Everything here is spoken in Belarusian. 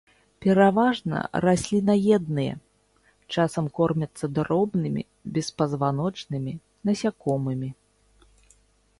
Пераважна расліннаедныя, часам кормяцца дробнымі беспазваночнымі, насякомымі.